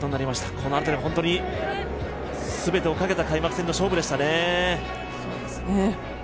この辺りは本当に全てをかけた開幕戦の勝負でしたね。